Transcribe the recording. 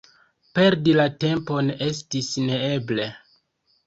Perdi la tempon estis neeble.